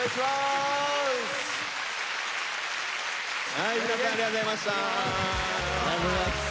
はい皆さんありがとうございました。